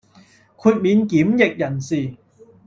豁免檢疫人士